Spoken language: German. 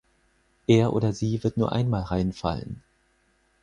Er oder sie wird nur einmal reinfallen.